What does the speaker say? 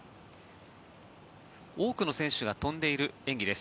多くの選手が飛んでいる演技です。